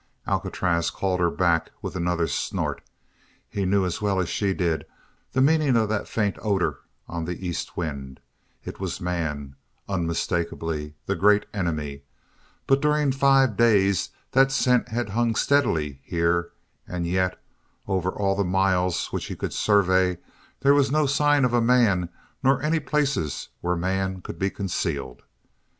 Alcatraz called her back with another snort. He knew, as well as she did, the meaning of that faint odor on the east wind: it was man, unmistakably the great enemy; but during five days that scent had hung steadily here and yet, over all the miles which he could survey there was no sign of a man nor any places where man could be concealed.